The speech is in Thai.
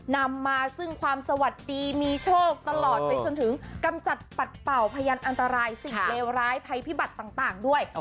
นำมาซึ่งความสวัสดีมีโชคตลอดไปจนถึงกำจัดปัดเป่าพยานอันตรายสิ่งเลวร้ายภัยพิบัติต่างด้วย